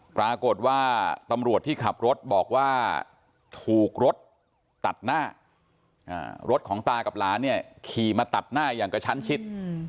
ปรากฏว่าตำรวจที่ขับรถบอกว่าถูกรถตัดหน้ารถของตากับหลานเนี่ยขี่มาตัดหน้าอย่างกระชั้นชิด